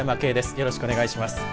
よろしくお願いします。